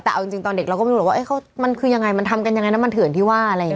แต่เอาจริงตอนเด็กเราก็ไม่รู้หรอกว่ามันคือยังไงมันทำกันยังไงน้ำมันเถื่อนที่ว่าอะไรอย่างนี้